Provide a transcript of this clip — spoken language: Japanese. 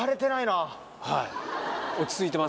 はい落ち着いてます。